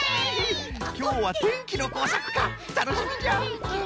きょうはてんきのこうさくかたのしみじゃ。